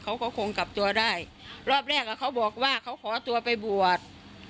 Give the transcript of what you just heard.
เขาก็คงกลับตัวได้รอบแรกอ่ะเขาบอกว่าเขาขอตัวไปบวช